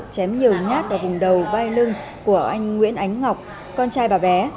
chém nhiều nhát vào vùng đầu vai lưng của anh nguyễn ánh ngọc con trai bà bé